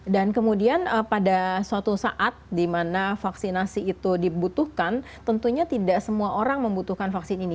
dan kemudian pada suatu saat di mana vaksinasi itu dibutuhkan tentunya tidak semua orang membutuhkan vaksin ini